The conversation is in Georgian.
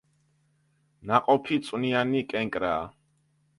ნაყოფი წვნიანი კენკრაა.